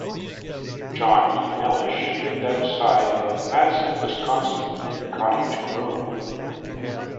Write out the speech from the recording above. John E. Mellish lived outside of Madison, Wisconsin in Cottage Grove.